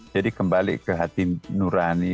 jadi kembali ke hati nurani